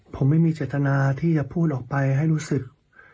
ผมไม่มีเจตนาที่จะพูดออกไปให้รู้สึก